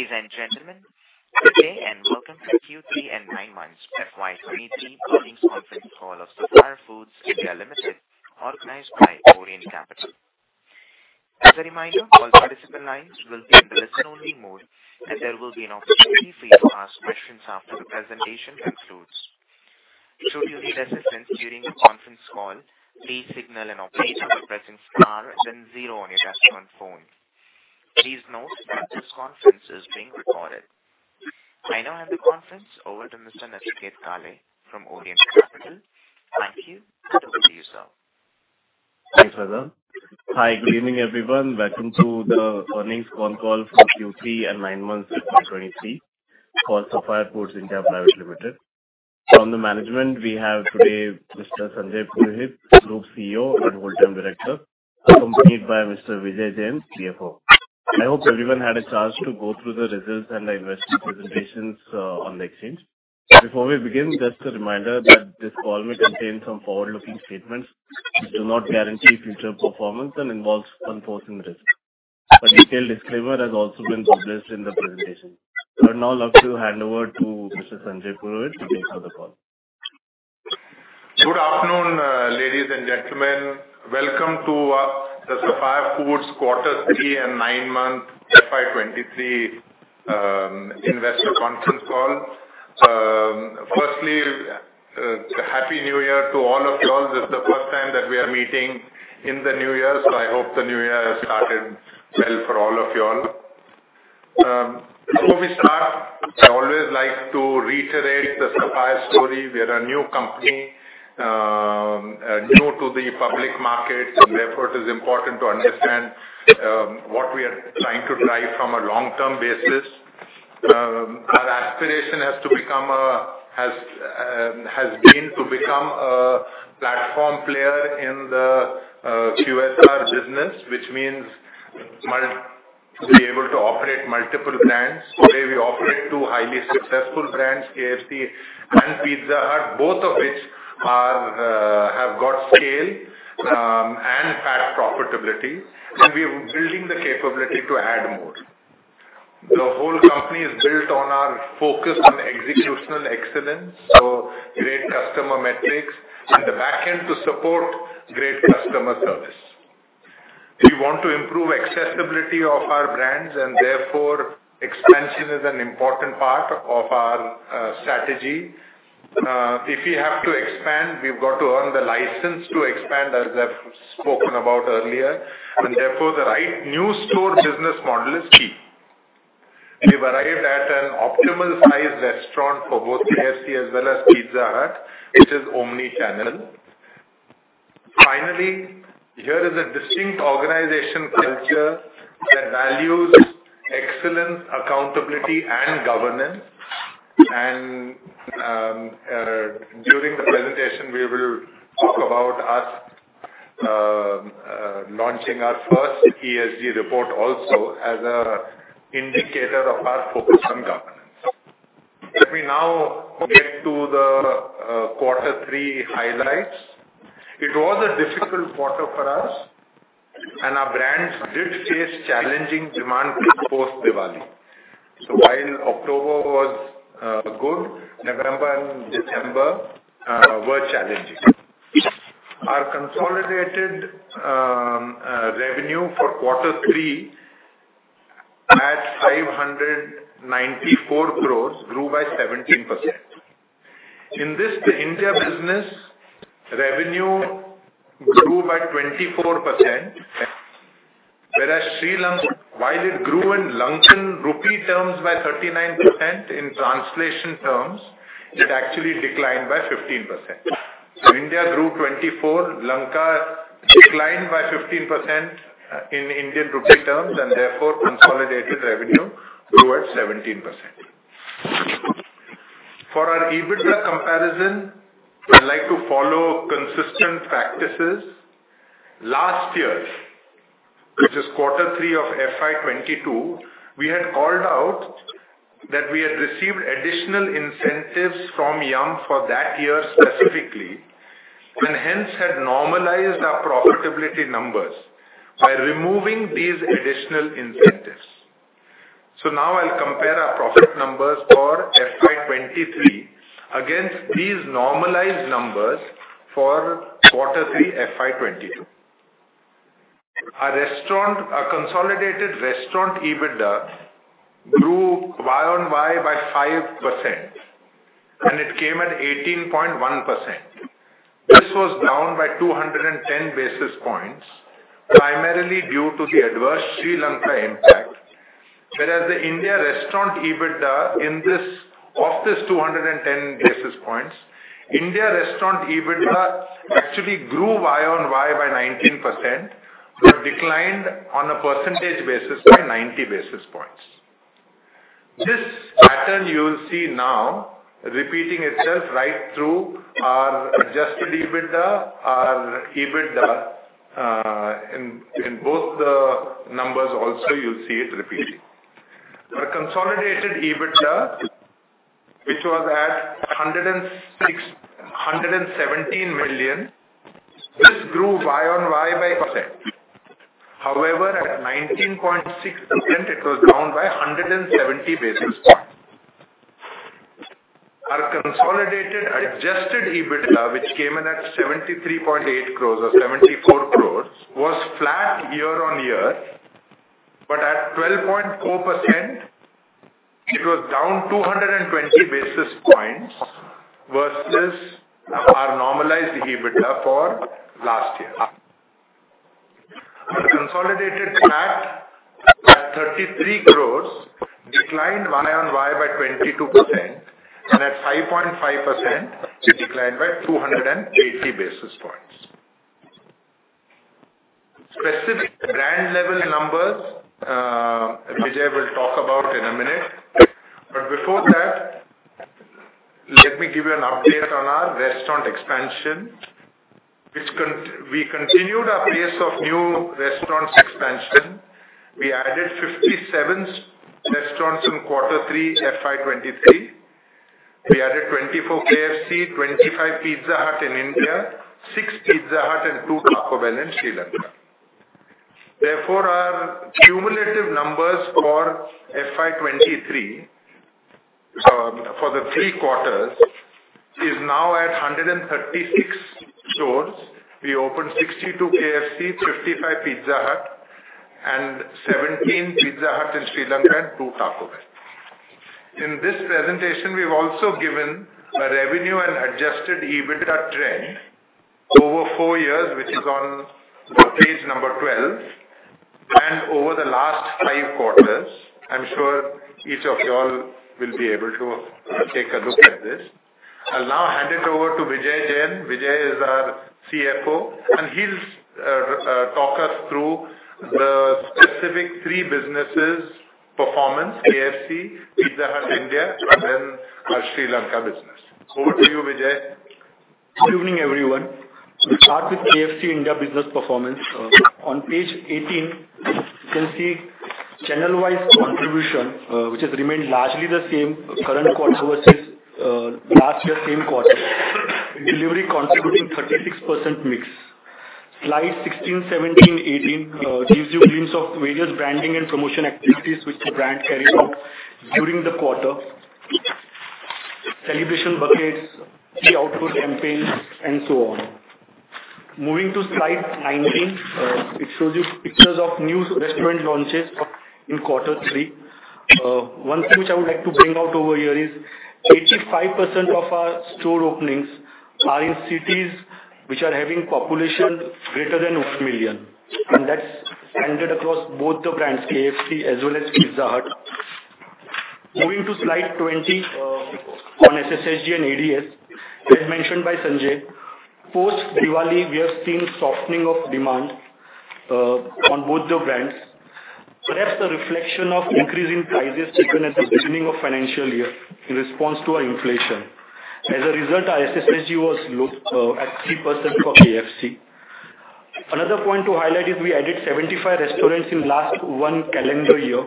Ladies, and gentlemen, good day and welcome to Q3 and Nine-Months FY 2023 Earnings Conference Call of Sapphire Foods India Limited, organized by Orient Capital. As a reminder, all participant lines will be in a listen-only mode, and there will be an opportunity for you to ask questions after the presentation concludes. Should you need assistance during the conference call, please signal an operator by pressing star then zero on your touchtone phone. Please note that this conference is being recorded. I now hand the conference over to Mr. Nachiket Kale from Orient Capital. Thank you. Over to you, sir. Thanks, Faizal. Hi, good evening, everyone. Welcome to the earnings con call for Q3 and Nine-Months FY 2023 for Sapphire Foods India Limited. From the management we have today Sanjay Purohit, Group CEO and Whole Time Director, accompanied by Vijay Jain, CFO. I hope everyone had a chance to go through the results and the investment presentations on the exchange. Before we begin, just a reminder that this call may contain some forward-looking statements which do not guarantee future performance and involves unforeseen risks. A detailed disclaimer has also been published in the presentation. I'd now love to hand over to Sanjay Purohit to take further call. Good afternoon, ladies, and gentlemen. Welcome to the Sapphire Foods Quarter Three and Nine-Month FY 2023 Investor Conference Call. Happy New Year to all of you all. This is the first time that we are meeting in the new year. I hope the new year has started well for all of you all. Before we start, I always like to reiterate the Sapphire story. We are a new company, new to the public market. It is important to understand what we are trying to drive from a long-term basis. Our aspiration has been to become a platform player in the QSR business, which means to be able to operate multiple brands. Today we operate two highly successful brands, KFC and Pizza Hut, both of which have got scale, have profitability, and we are building the capability to add more. The whole company is built on our focus on executional excellence, so great customer metrics and the back end to support great customer service. We want to improve accessibility of our brands therefore expansion is an important part of our strategy. If we have to expand, we've got to earn the license to expand as I've spoken about earlier therefore the right new store business model is key. We've arrived at an optimal size restaurant for both KFC as well as Pizza Hut, which is omni-channel. Here is a distinct organization culture that values excellence, accountability and governance and during the presentation we will talk about us launching our first ESG report also as a indicator of our focus on governance. Let me now get to the Q3 highlights. It was a difficult quarter for us and our brands did face challenging demand post-Diwali. While October was good, November and December were challenging. Our consolidated revenue for Q3 at 594 crores grew by 17%. In this the India business revenue grew by 24%, whereas Sri Lanka, while it grew in LKR terms by 39%, in translation terms it actually declined by 15%. India grew 24, Lanka declined by 15%, in INR terms and therefore consolidated revenue grew at 17%. For our EBITDA comparison, I'd like to follow consistent practices. Last year, which is Q3 FY 2022, we had called out that we had received additional incentives from Yum for that year specifically, and hence had normalized our profitability numbers by removing these additional incentives. Now I'll compare our profit numbers for FY 2023 against these normalized numbers for Q3 FY 2022. Our consolidated restaurant EBITDA grew Y-on-Y by 5%, and it came at 18.1%. This was down by 210 basis points, primarily due to the adverse Sri Lanka impact. Whereas the India restaurant EBITDA of this 210 basis points, India restaurant EBITDA actually grew Y-on-Y by 19%, but declined on a percentage basis by 90 basis points. This pattern you will see now repeating itself right through our Adjusted EBITDA, our EBITDA. In both the numbers also you'll see it repeating. Our consolidated EBITDA, which was at 106 million, 117 million, this grew Y-on-Y. At 19.6%, it was down by 170 basis points. Our consolidated Adjusted EBITDA, which came in at 73.8 crores or 74 crores, was flat year on year. At 12.4%, it was down 220 basis points versus our normalized EBITDA for last year. Our consolidated PAT at 33 crores declined Y-on-Y by 22% and at 5.5% it declined by 280 basis points. Specific brand level numbers, Vijay will talk about in a minute. Before that, let me give you an update on our restaurant expansion. We continued our pace of new restaurants expansion. We added 57 restaurants in quarter three, FY 2023. We added 24 KFC, 25 Pizza Hut in India, six Pizza Hut and two Taco Bell in Sri Lanka. Our cumulative numbers for FY 2023, for the three quarters is now at 136 stores. We opened 62 KFC, 55 Pizza Hut and 17 Pizza Hut in Sri Lanka, and two Taco Bell. In this presentation, we've also given a revenue and Adjusted EBITDA trend over four years, which is on page number 12. Over the last 5 quarters, I'm sure each of you all will be able to take a look at this. I'll now hand it over to Vijay Jain. Vijay is our CFO, and he'll talk us through the specific three businesses' performance: KFC, Pizza Hut India, and then our Sri Lanka business. Over to you, Vijay. Good evening, everyone. We start with KFC India business performance. On page 18, you can see channel-wise contribution, which has remained largely the same current quarter versus last year, same quarter. Delivery contributing 36% mix. Slide 16, 17, 18 gives you glimpse of various branding and promotion activities which the brand carried out during the quarter. Celebration buckets, key outdoor campaigns and so on. Moving to slide 19, it shows you pictures of new restaurant launches in Q3. One thing which I would like to bring out over here is 85% of our store openings are in cities which are having population greater than 1 million, and that's standard across both the brands, KFC as well as Pizza Hut. Moving to slide 20, on SSSG and ADS. As mentioned by Sanjay, post-Diwali, we have seen softening of demand on both the brands. Perhaps a reflection of increasing prices taken at the beginning of financial year in response to our inflation. Our SSSG was low at 3% for KFC. Another point to highlight is we added 75 restaurants in last one calendar year,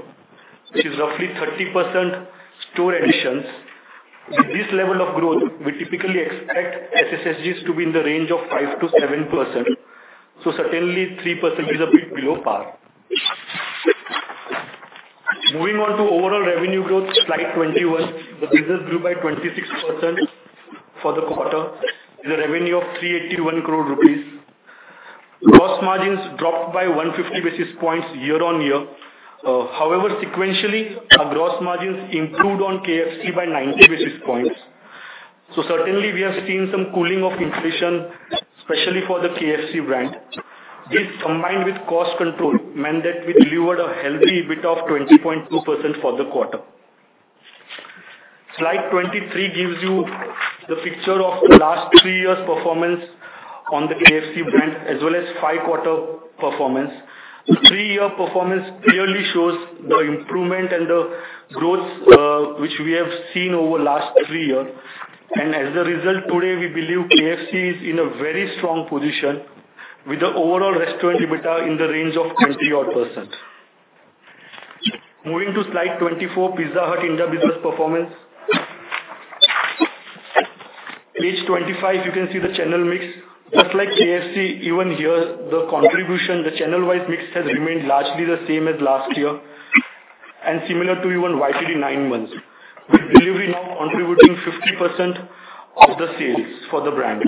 which is roughly 30% store additions. With this level of growth, we typically expect SSSGs to be in the range of 5%-7%. Certainly 3% is a bit below par. Moving on to overall revenue growth, slide 21. The business grew by 26% for the quarter with a revenue of 381 crore rupees. Gross margins dropped by 150 basis points year-on-year. However, sequentially our gross margins improved on KFC by 90 basis points. Certainly we have seen some cooling of inflation, especially for the KFC brand. This, combined with cost control, meant that we delivered a healthy EBITDA of 20.2% for the quarter. Slide 23 gives you the picture of the last three years' performance on the KFC brand as well as five quarter performance. The three year performance clearly shows the improvement and the growth which we have seen over last three years. As a result, today we believe KFC is in a very strong position with the overall restaurant EBITDA in the range of 20-odd%. Moving to slide 24, Pizza Hut India business performance. Page 25, you can see the channel mix. Just like KFC, even here the contribution, the channel-wise mix has remained largely the same as last year and similar to even YTD nine months, with delivery now contributing 50% of the sales for the brand.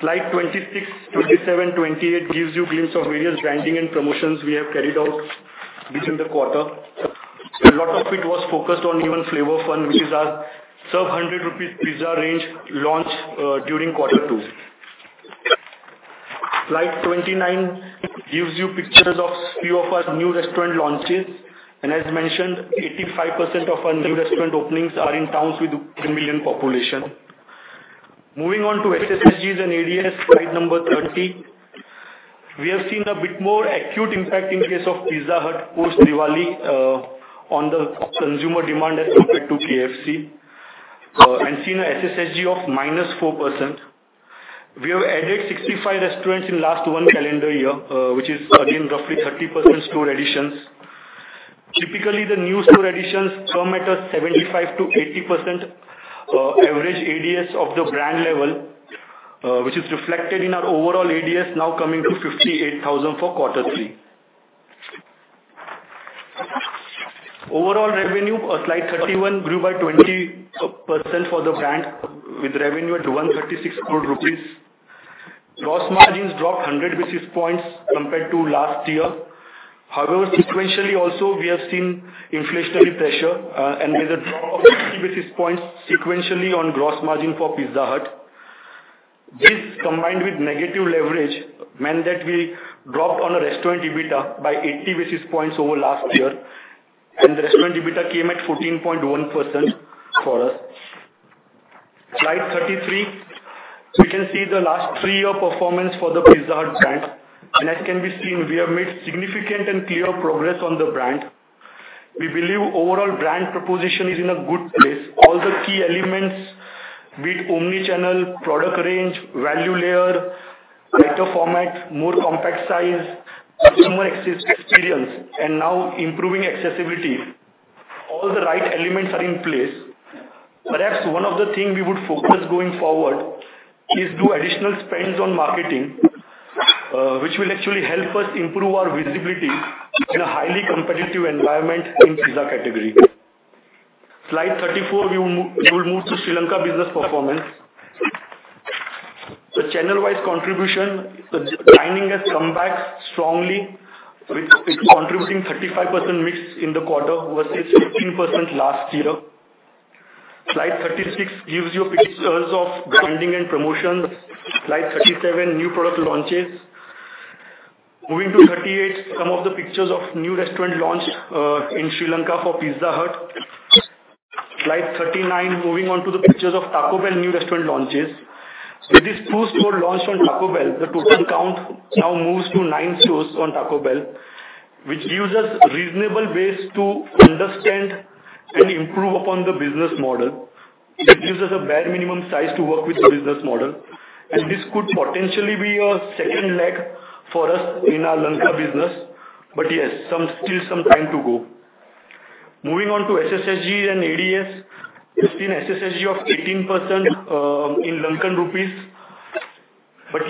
Slide 26, 27, 28 gives you glimpse of various branding and promotions we have carried out during the quarter. A lot of it was focused on even Flavour Fun, which is our sub 100 rupee Pizza Hut range launch during Q2. Slide 29 gives you pictures of few of our new restaurant launches. As mentioned, 85% of our new restaurant openings are in towns with 10 million population. Moving on to SSSGs and ADS, slide number 30. We have seen a bit more acute impact in case of Pizza Hut post-Diwali on the consumer demand as compared to KFC and seen a SSSG of -4%. We have added 65 restaurants in last one calendar year, which is again roughly 30% store additions. Typically, the new store additions come at a 75%-80% average ADS of the brand level, which is reflected in our overall ADS now coming to 58,000 for Q3. Overall revenue, on Slide 31, grew by 20% for the brand, with revenue at 136 crore rupees. Gross margins dropped 100 basis points compared to last year. However, sequentially also, we have seen inflationary pressure, and with a drop of 60 basis points sequentially on gross margin for Pizza Hut. This, combined with negative leverage, meant that we dropped on a restaurant EBITDA by 80 basis points over last year, and the restaurant EBITDA came at 14.1% for us. Slide 33. You can see the last three year performance for the Pizza Hut brand. As can be seen, we have made significant and clear progress on the brand. We believe overall brand proposition is in a good place. All the key elements with omnichannel, product range, value layer, better format, more compact size, customer experience, and now improving accessibility. All the right elements are in place. Perhaps one of the thing we would focus going forward is do additional spends on marketing, which will actually help us improve our visibility in a highly competitive environment in pizza category. Slide 34, we will move to Sri Lanka business performance. Channel-wise contribution, the branding has come back strongly with contributing 35% mix in the quarter versus 15% last year. Slide 36 gives you pictures of branding and promotions. Slide 37, new product launches. Moving to 38, some of the pictures of new restaurant launch in Sri Lanka for Pizza Hut. Slide 39, moving on to the pictures of Taco Bell new restaurant launches. With this two store launch on Taco Bell, the total count now moves to nine stores on Taco Bell, which gives us reasonable ways to understand and improve upon the business model. It gives us a bare minimum size to work with the business model, and this could potentially be a second leg for us in our Lanka business. Yes, some, still some time to go. Moving on to SSSG and ADS. We've seen SSSG of 18% in Lankan rupees.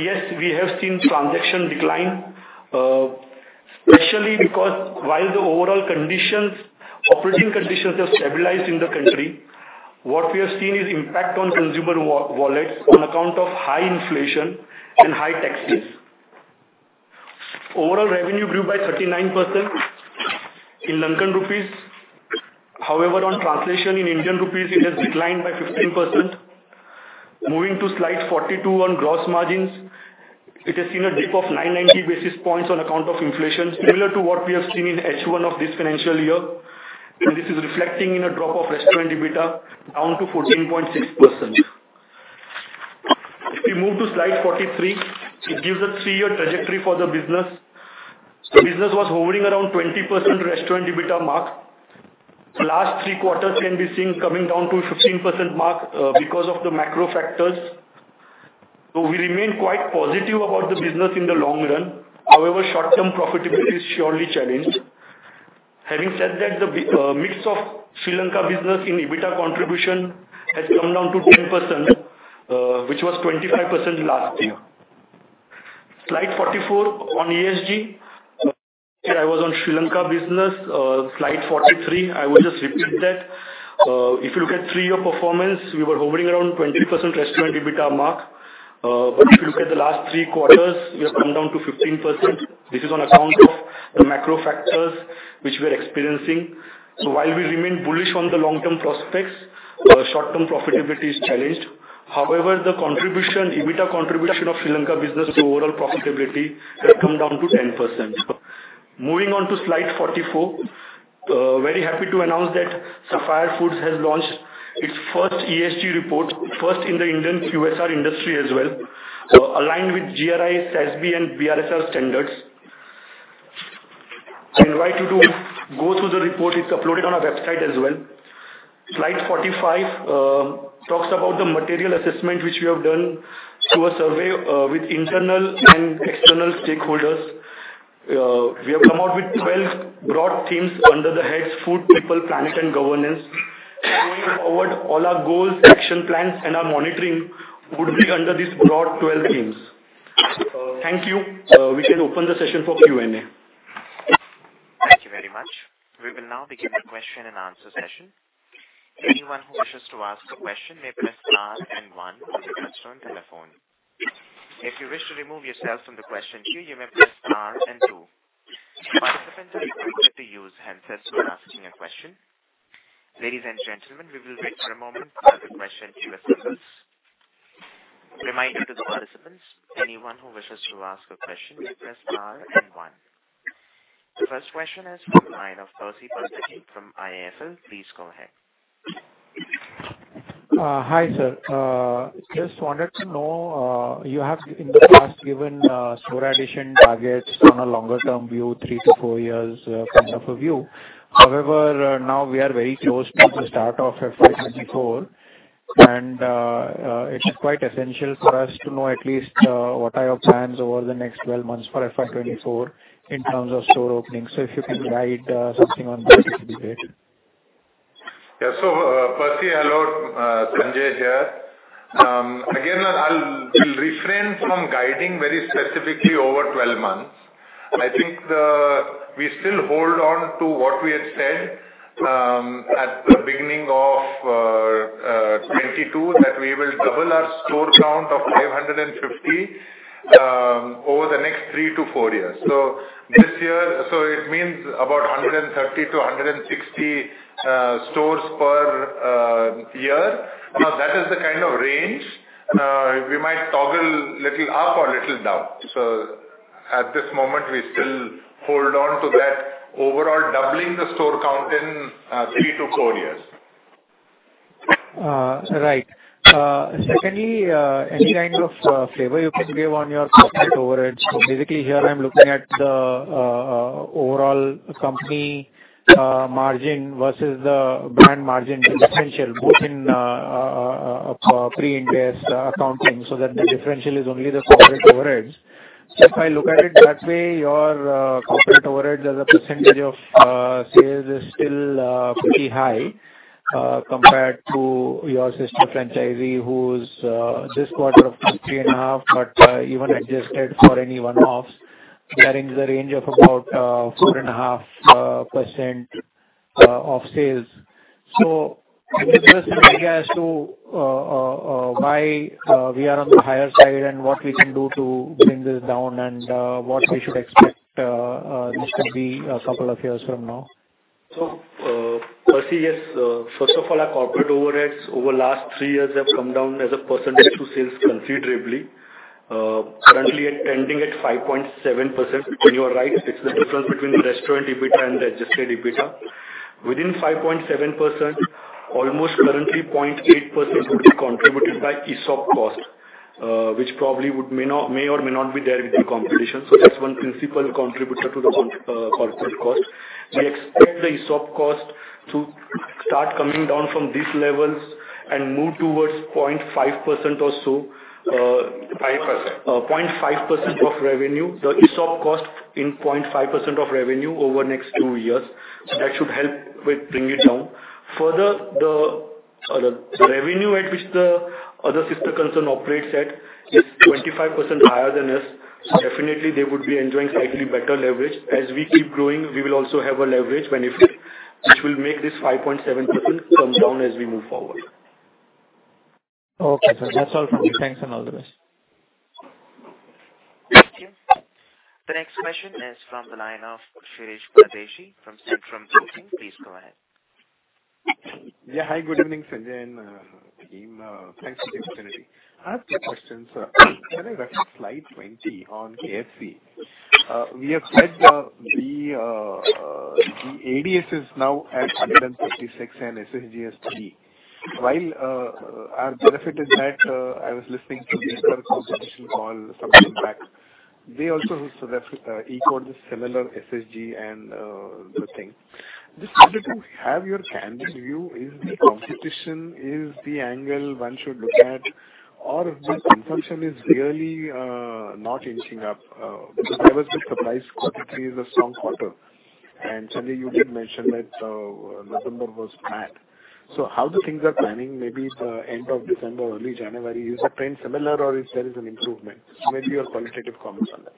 Yes, we have seen transaction decline, especially because while the overall conditions, operating conditions have stabilized in the country, what we have seen is impact on consumer wallets on account of high inflation and high taxes. Overall revenue grew by 39% in LKR. On translation in INR, it has declined by 15%. Moving to slide 42 on gross margins, it has seen a dip of 990 basis points on account of inflation, similar to what we have seen in H1 of this financial year. This is reflecting in a drop of restaurant EBITDA down to 14.6%. If we move to slide 43, it gives a three year trajectory for the business. The business was hovering around 20% restaurant EBITDA mark. Last three quarters can be seen coming down to 15% mark because of the macro factors. We remain quite positive about the business in the long run. However, short-term profitability is surely challenged. Having said that, the mix of Sri Lanka business in EBITDA contribution has come down to 10% which was 25% last year. Slide 44 on ESG. Here I was on Sri Lanka business, slide 43. I will just repeat that. If you look at three-year performance, we were hovering around 20% restaurant EBITDA mark. But if you look at the last three quarters, we have come down to 15%. This is on account of the macro factors which we are experiencing. While we remain bullish on the long term prospects, short term profitability is challenged. However, the contribution, EBITDA contribution of Sri Lanka business to overall profitability has come down to 10%. Moving on to slide 44, very happy to announce that Sapphire Foods has launched its first ESG report, first in the Indian QSR industry as well, aligned with GRI, SASB, and BRSR standards. I invite you to go through the report. It's uploaded on our website as well. Slide 45 talks about the material assessment which we have done through a survey with internal and external stakeholders. We have come out with 12 broad themes under the heads food, people, planet and governance. Going forward, all our goals, action plans and our monitoring would be under these broad 12 themes. Thank you. We can open the session for Q&A. Thank you very much. We will now begin the question-and-answer session. Anyone who wishes to ask a question may press star and one on your touchtone telephone. If you wish to remove yourself from the question queue, you may press star and two. Participants are requested to use handsets when asking a question. Ladies, and gentlemen, we will wait for a moment for the question queue assessments. Reminder to participants, anyone who wishes to ask a question, press star and one. The first question is from the line of Percy Panthaki from IIFL. Please go ahead. Hi, sir. Just wanted to know, you have in the past given, store addition targets on a longer term view, three to four years, kind of a view. However, now we are very close to the start of FY 2024. It's quite essential for us to know at least, what are your plans over the next 12 months for FY 2024 in terms of store openings. If you can guide, something on that, it would be great. Yeah. Percy, hello, Sanjay here. Again, we'll refrain from guiding very specifically over 12 months. I think, we still hold on to what we had said, at the beginning of 2022, that we will double our store count of 550, over the next three to four years. It means about 130-160 stores per year. That is the kind of range. We might toggle little up or little down. At this moment, we still hold on to that overall doubling the store count in three to four years. Right. Secondly, any kind of flavor you can give on your corporate overheads. Basically here I'm looking at the overall company margin versus the brand margin differential, both in pre and post accounting, so that the differential is only the corporate overheads. If I look at it that way, your corporate overheads as a percentage of sales is still pretty high compared to your sister franchisee who's this quarter of 3.5%, but even adjusted for any one-offs, carrying the range of about 4.5% of sales. If you could just give an idea as to why we are on the higher side and what we can do to bring this down and what we should expect this to be a couple of years from now. Percy, yes. First of all, our corporate overheads over last three years have come down as a percentage to sales considerably. Currently ending at 5.7%. You are right, it's the difference between restaurant EBITDA and Adjusted EBITDA. Within 5.7%, almost currently 0.8% would be contributed by ESOP cost, which probably would may or may not be there with the competition. That's one principal contributor to the corporate cost. We expect the ESOP cost to start coming down from these levels and move towards 0.5% or so. 5%. 0.5% of revenue. The ESOP cost in 0.5% of revenue over next two years. That should help with bringing it down. Further, the revenue at which the other sister concern operates at is 25% higher than us. Definitely they would be enjoying slightly better leverage. As we keep growing, we will also have a leverage benefit, which will make this 5.7% come down as we move forward. Okay, sir. That's all from me. Thanks and all the best. Thank you. The next question is from the line of Shirish Pardeshi from Centrum Broking. Please go ahead. Yeah. Hi, good evening, Sanjay and team. Thanks for the opportunity. I have two questions, sir. Can I refer to slide 20 on KFC? We have read the ADSs now at 136 and SSSG 3%. While our benefit is that I was listening to the competition call sometime back. They also referred equal to similar SSSG and the thing. Just wanted to have your candid view, is the competition is the angle one should look at or if this consumption is really not inching up. Because there was this surprise Q3 is a strong quarter. Sanjay, you did mention that November was flat. How do things are planning maybe the end of December, early January? Is the trend similar or if there is an improvement? Maybe your qualitative comments on that.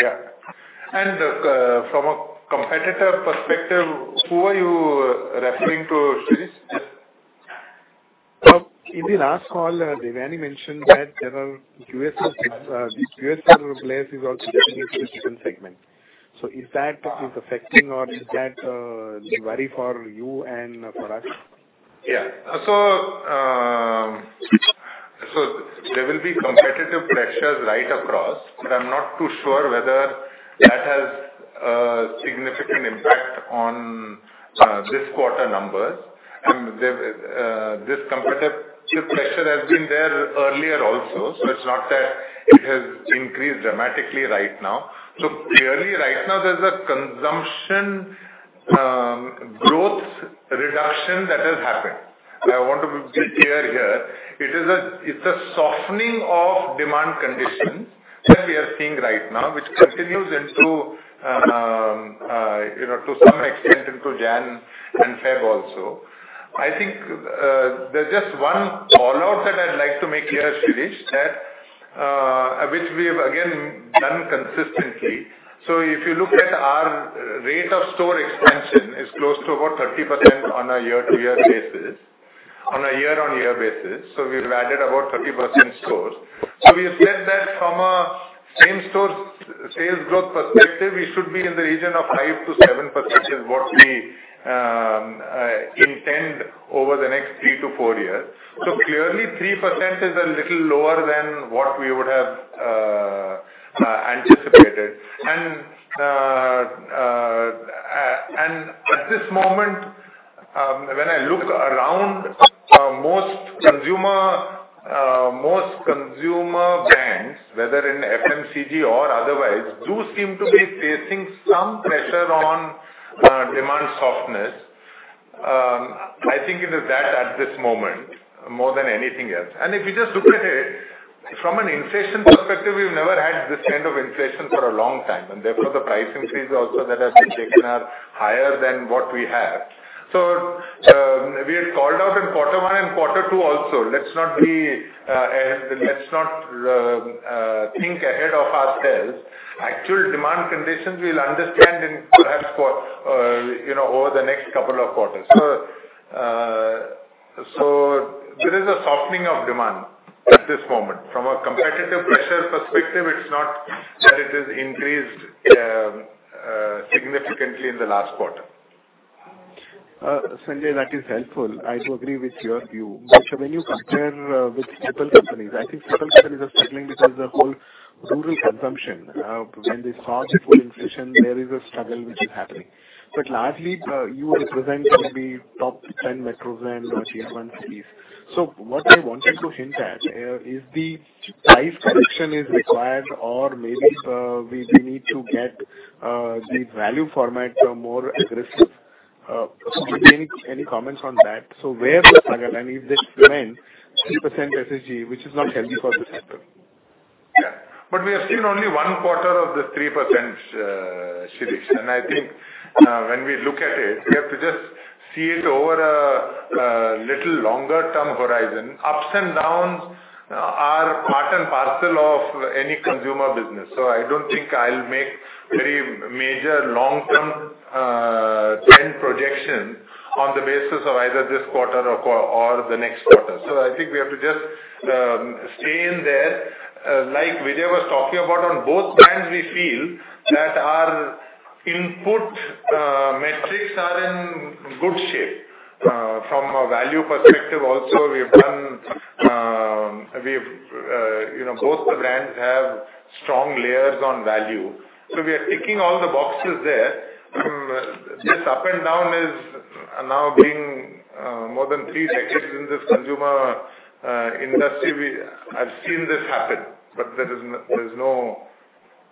Yeah. From a competitor perspective, who are you referring to, Shirish? In the last call, Devyani mentioned that there are QSR, the QSR players is also getting into chicken segment. Is that affecting or is that the worry for you and for us? Yeah. There will be competitive pressures right across, but I'm not too sure whether that has a significant impact on this quarter numbers. The competitive pressure has been there earlier also. It's not that it has increased dramatically right now. Clearly right now there's a consumption growth reduction that has happened. I want to be clear here. It's a softening of demand conditions that we are seeing right now, which continues into, you know, to some extent into January and February also. I think there's just one call-out that I'd like to make here, Shirish, that which we have again done consistently. If you look at our rate of store expansion is close to about 30% on a year-on-year basis. We've added about 30% stores. We have said that from a same store sales growth perspective, we should be in the region of 5%-7% is what we intend over the next three to four years. Clearly 3% is a little lower than what we would have anticipated. At this moment, when I look around, most consumer goods, whether in FMCG or otherwise, do seem to be facing some pressure on demand softness. I think it is that at this moment more than anything else. If you just look at it from an inflation perspective, we've never had this kind of inflation for a long time, and therefore the price increase also that has been taken are higher than what we have. We had called out in Q1 and Q2 also. Let's not be, let's not think ahead of ourselves. Actual demand conditions we'll understand in perhaps, you know, over the next couple of quarters. There is a softening of demand at this moment. From a competitive pressure perspective, it's not that it is increased significantly in the last quarter. Sanjay, that is helpful. I do agree with your view. When you compare with CPG companies, I think CPG companies are struggling because the whole rural consumption, when they saw the full inflation, there is a struggle which is happening. Largely, you represent maybe top 10 metros and Tier 1 cities. What I wanted to hint at is the price correction is required or maybe we need to get the value format more aggressive. Any comments on that? Where is the struggle and if this trend, 3% SSSG, which is not healthy for this sector? We have seen only one quarter of the 3%, Shirish. I think when we look at it, we have to just see it over a little longer term horizon. Ups and downs are part and parcel of any consumer business, so I don't think I'll make very major long-term trend projection on the basis of either this quarter or the next quarter. I think we have to just stay in there. Like Vijay was talking about on both brands, we feel that our input metrics are in good shape. From a value perspective also, we've done, we've, you know, both the brands have strong layers on value, so we are ticking all the boxes there. This up and down is now being more than three decades in this consumer industry, we... I've seen this happen. There's no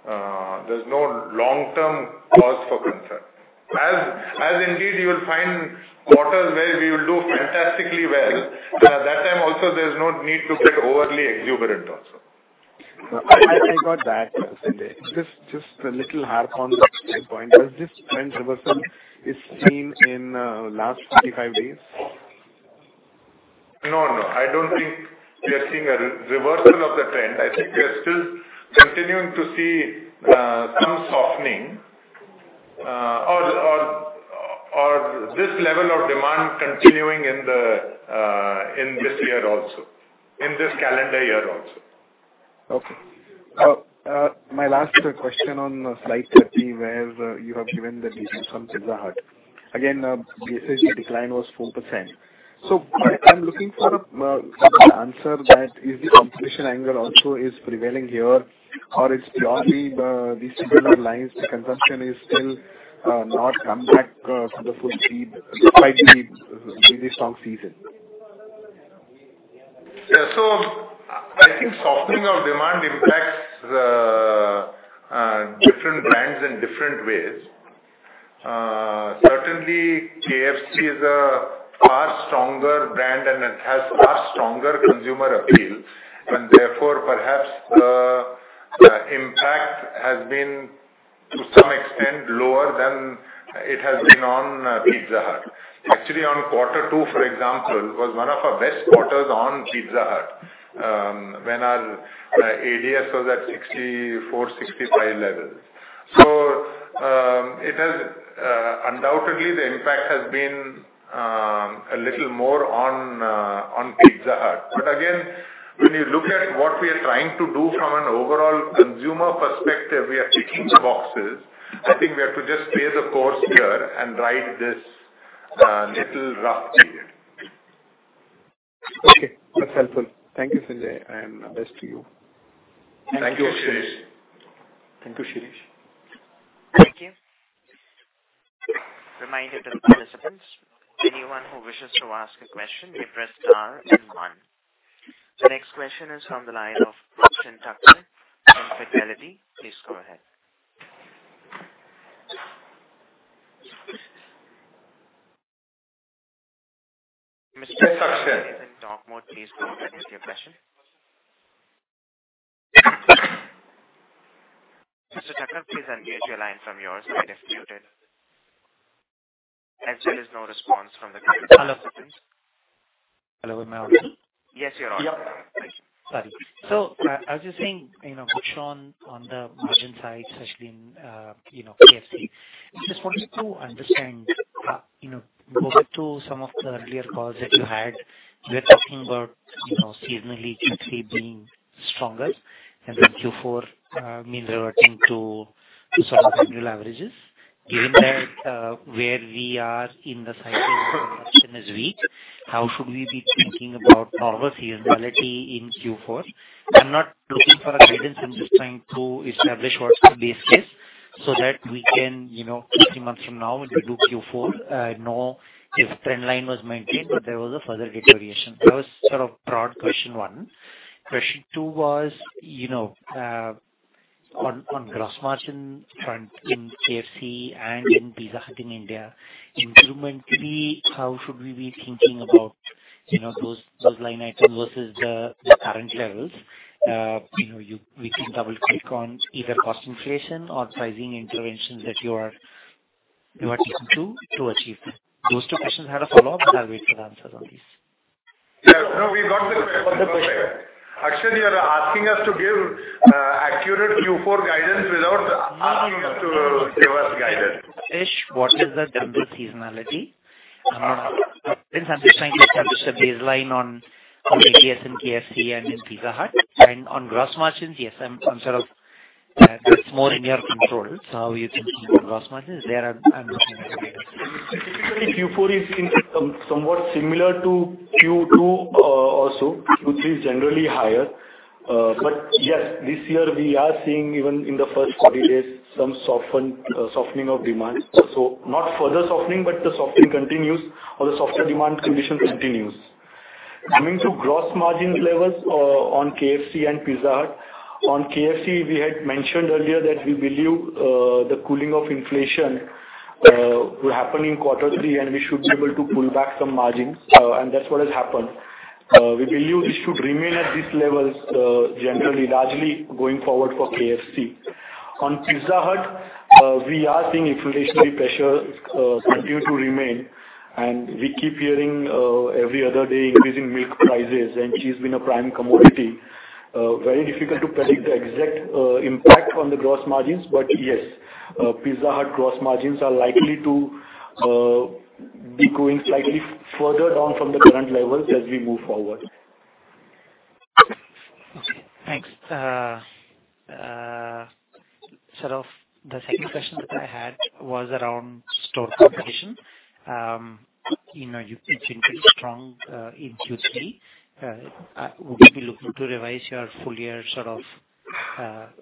long-term cause for concern. Indeed you will find quarters where we will do fantastically well. That time also there's no need to get overly exuberant also. I got that, Sanjay. Just a little harp on that point. Was this trend reversal is seen in last 35 days? No, no, I don't think we are seeing a reversal of the trend. I think we are still continuing to see some softening or this level of demand continuing in this year also, in this calendar year also. Okay. My last question on slide 30, where you have given the details from Pizza Hut. Again, the SSG decline was 4%. I'm looking for the answer that is the competition angle also is prevailing here or it's purely these two bottom lines, the consumption is still not come back to the full speed despite the really strong season? Yeah. I think softening of demand impacts different brands in different ways. Certainly KFC is a far stronger brand and it has far stronger consumer appeal, and therefore perhaps the impact has been to some extent lower than it has been on Pizza Hut. Actually on Q2, for example, was one of our best quarters on Pizza Hut, when our ADS was at 64, 65 level. It has undoubtedly the impact has been a little more on Pizza Hut. Again, when you look at what we are trying to do from an overall consumer perspective, we are ticking the boxes. I think we have to just stay the course here and ride this little rough period. Okay. That's helpful. Thank you, Sanjay, and best to you. Thank you, Shirish. Thank you, Shirish. Thank you. Reminder to participants, anyone who wishes to ask a question, you press star then one. The next question is on the line of Christian Tucker from Fidelity. Please go ahead. Mr. Tucker- Yes, Christian. Are you in talk mode, please go ahead with your question. Mr. Tucker, please unmute your line from your side if muted. Still there's no response from the participant. Hello? Hello, am I on? Yes, you're on. Sorry. I was just saying, you know, good shown on the margin side, especially in, you know, KFC. I just wanted to understand, you know, going through some of the earlier calls that you had, you were talking about, you know, seasonally Q3 being stronger and then Q4 mean reverting to some of the annual averages. Given that, where we are in the cycle where consumption is weak, how should we be thinking about our seasonality in Q4? I'm not looking for a guidance, I'm just trying to establish what's the base case. So that we can, you know, three months from now when we do Q4, know if trend line was maintained, but there was a further deterioration. That was sort of broad question one. Question two was, you know, on gross margin front in KFC and in Pizza Hut in India, incrementally, how should we be thinking about, you know, those line items versus the current levels? You know, we can double-click on either cost inflation or pricing interventions that you are taking to achieve that. Those two questions had a follow-up. I'll wait for the answers on these. Yeah. No, we got the question. Actually, you are asking us to give accurate Q4 guidance without asking us to give us guidance. First, what is the general seasonality? I'm just trying to establish a baseline on maybe KFC and in Pizza Hut. On gross margins, yes, I'm sort of, that's more in your control. How you think about gross margins there, I'm looking at the data. Typically Q4 is in somewhat similar to Q2, or so, which is generally higher. Yes, this year we are seeing even in the first quarter days some soften, softening of demand. Not further softening, but the softening continues or the softer demand condition continues. Coming to gross margin levels, on KFC and Pizza Hut. On KFC, we had mentioned earlier that we believe the cooling of inflation will happen in Q3, and we should be able to pull back some margins. That's what has happened. We believe it should remain at these levels, generally, largely going forward for KFC. On Pizza Hut, we are seeing inflationary pressures continue to remain, and we keep hearing every other day increasing milk prices, and cheese being a prime commodity. Very difficult to predict the exact impact on the gross margins. Yes, Pizza Hut gross margins are likely to be going slightly further down from the current levels as we move forward. Okay, thanks. sort of the second question that I had was around store competition. you know, you've been pretty strong in Q3. would we be looking to revise your full year sort of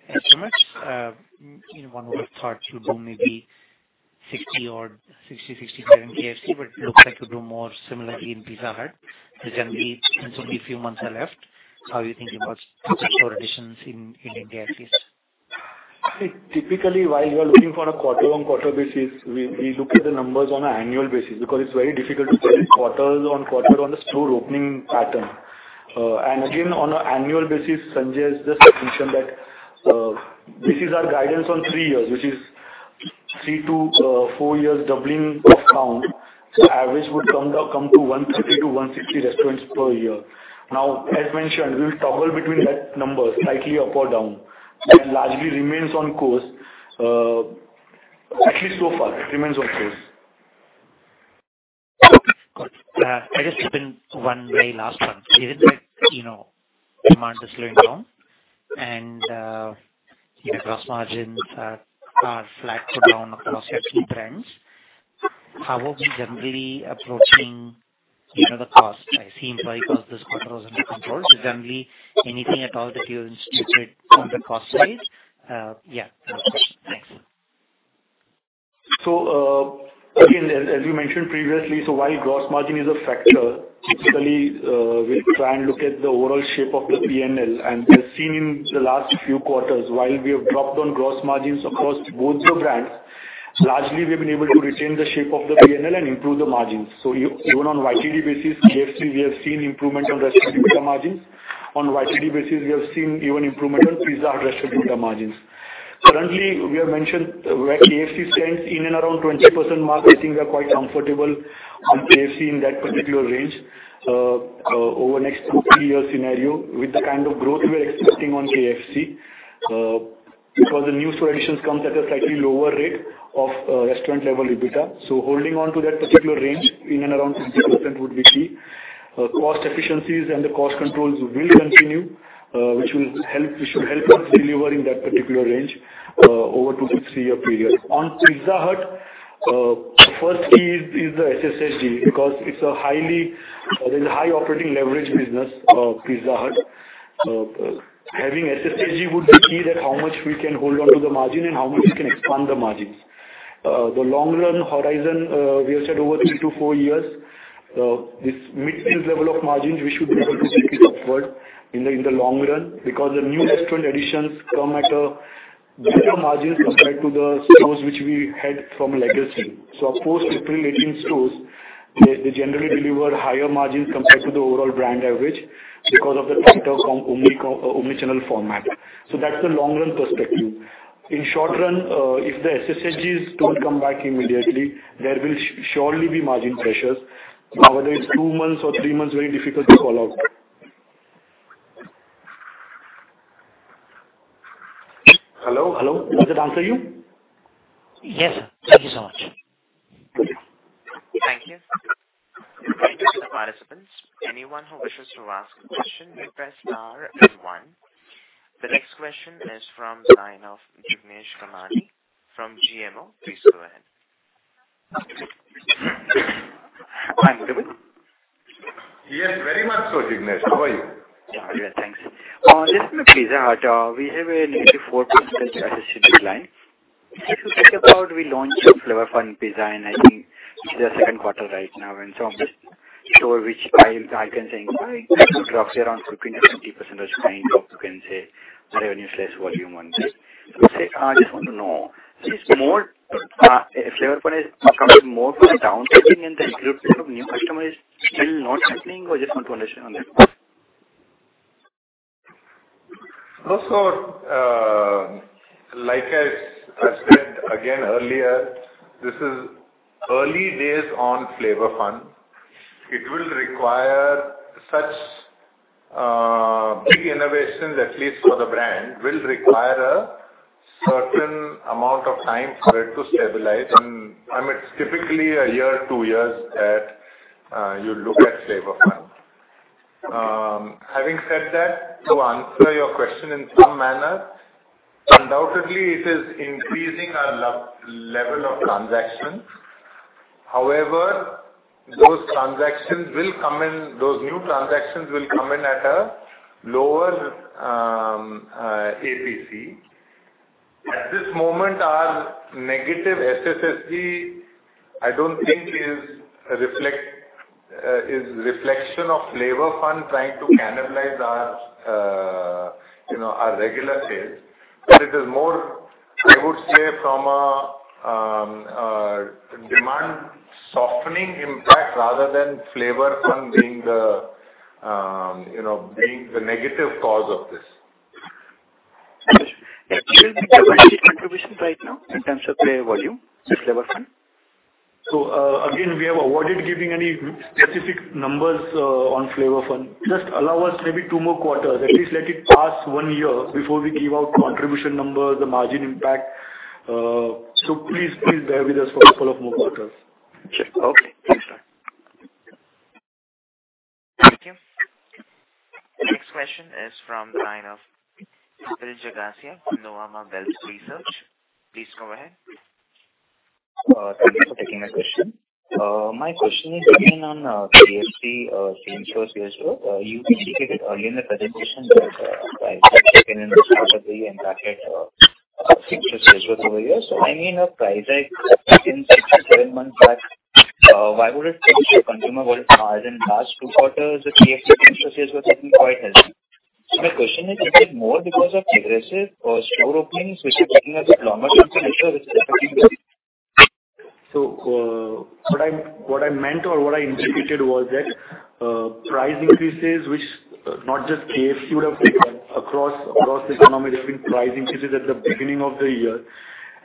estimates? you know, one would have thought you do maybe 60 or 67 KFC, but looks like you do more similarly in Pizza Hut. Generally, only a few months are left. How are you thinking about store additions in India at least? Typically, while you are looking for a quarter-on-quarter basis, we look at the numbers on an annual basis because it's very difficult to tell quarter-on-quarter on the store opening pattern. Again, on an annual basis, Sanjay has just mentioned that this is our guidance on three years. This is three to four years doubling of count. Average would come to 130 to 160 restaurants per year. Now, as mentioned, we will toggle between that number slightly up or down. It largely remains on course. At least so far it remains on course. Got it. I guess just one very last one. You had said, you know, demand is slowing down and gross margins are flat to down across your key brands. How are we generally approaching, you know, the cost side? I see employee cost this quarter was under control. Generally, anything at all that you institute on the cost side? Yeah. Thanks. Again, as we mentioned previously, while gross margin is a factor, typically, we'll try and look at the overall shape of the P&L. We've seen in the last few quarters, while we have dropped on gross margins across both the brands, largely we've been able to retain the shape of the P&L and improve the margins. Even on YTD basis, KFC we have seen improvement on restaurant margins. On YTD basis, we have seen even improvement on Pizza Hut restaurant margins. Currently, we have mentioned where KFC stands in and around 20% mark. I think we are quite comfortable on KFC in that particular range. Over next two to three year scenario with the kind of growth we are expecting on KFC, because the new store additions comes at a slightly lower rate of restaurant level EBITDA. Holding on to that particular range in and around 20% would be key. Cost efficiencies and the cost controls will continue, which will help, which should help us deliver in that particular range, over two to three year period. On Pizza Hut, first key is the SSSG, because it is high operating leverage business of Pizza Hut. Having SSSG would be key that how much we can hold on to the margin and how much we can expand the margins. The long run horizon, we have said over three to four years, this mid-single level of margins we should be able to take it upward in the, in the long run because the new restaurant additions come at a better margin compared to the stores which we had from legacy. Of course, the pre-18 stores, they generally deliver higher margins compared to the overall brand average because of the benefit from omni-channel format. That's the long run perspective. In short run, if the SSSGs don't come back immediately, there will surely be margin pressures. However, it's two months or three months, very difficult to call out. Hello, hello. Does that answer you? Yes. Thank you so much. Okay. Thank you. Thank you to the participants. Anyone who wishes to ask a question may press star then one. The next question is from line of Jignesh Kamani from GMO. Please go ahead. Hi, am i audible? Yeah, Jignesh. How are you? Yeah, good. Thanks. This is from Pizza Hut. We have a nearly 4% SSS decline. If you think about we launched some Flavour Fun Pizza, and I think it's the second quarter right now. I'm just sure which I can say roughly around 15% or 20% kind of you can say revenue less volume on that. I just want to know is more, Flavour Fun is coming more from a down trading and the acquisition of new customers still not happening or just want to understand on that. Like I said again earlier, this is early days on Flavour Fun. It will require such big innovations, at least for the brand, will require a certain amount of time for it to stabilize. I mean, it's typically a year, two years that you look at Flavour Fun. Having said that, to answer your question in some manner, undoubtedly it is increasing our level of transactions. Those new transactions will come in at a lower APC. At this moment, our negative SSSG, I don't think is reflection of Flavour Fun trying to cannibalize our, you know, our regular sales, but it is more, I would say, from a demand softening impact rather than Flavour Fun being the, you know, being the negative cause of this. Got you. Contribution right now in terms of flavor volume with Flavour Fun. Again, we have avoided giving any specific numbers on Flavour Fun. Just allow us maybe two more quarters. At least let it pass one year before we give out contribution numbers, the margin impact. Please, please bear with us for a couple of more quarters. Sure. Okay. Thanks, sir. Thank you. Next question is from the line of Kapil Jagasia from Nuvama Wealth Research. Please go ahead. Thank you for taking my question. My question is again on KFC Same Store Sales Growth. You indicated earlier in the presentation that price hikes taken in the start of the year impacted Same Store Sales Growth over here. I mean, if price hike happened six to seven months back, why would it take consumer wallet share in last two quarters if KFC Same Store Sales Growth has been quite healthy? My question is it more because of aggressive store openings, which are taking a bit longer to mature, which is affecting this? What I, what I meant or what I indicated was that, price increases, which not just KFC would have taken, across the economy, there's been price increases at the beginning of the year.